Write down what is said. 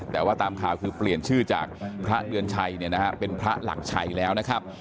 แต่ว่าตามข่าวคือเปลี่ยนชื่อจากพระเดือนชัยเป็นพระหลักชัยแล้วนะครับ